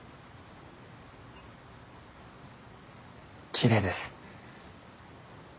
きれいです。